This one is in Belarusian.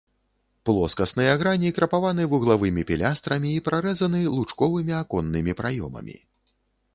Плоскасныя грані крапаваны вуглавымі пілястрамі і прарэзаны лучковымі аконнымі праёмамі.